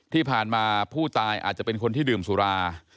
ที่ผ่านมาผู้ตายอาจจะเป็นคนที่ดื่มสุรา